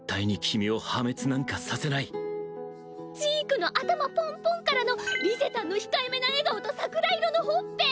ジークの頭ポンポンからのリゼたんの控えめな笑顔と桜色のほっぺ。